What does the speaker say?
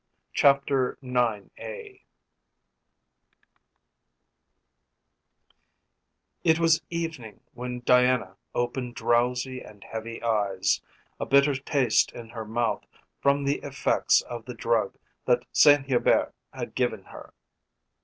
CHAPTER IX It was evening when Diana opened drowsy and heavy eyes, a bitter taste in her mouth from the effects of the drug that Saint Hubert had given her.